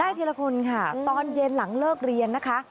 ทีละคนค่ะตอนเย็นหลังเลิกเรียนนะคะ